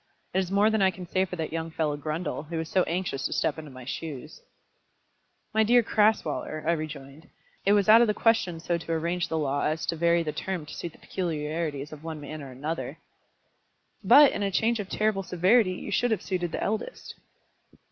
It is more than I can say for that young fellow Grundle, who is so anxious to step into my shoes." "My dear Crasweller," I rejoined, "it was out of the question so to arrange the law as to vary the term to suit the peculiarities of one man or another." "But in a change of such terrible severity you should have suited the eldest."